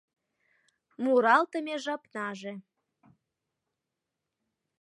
Муралтыме жапнаже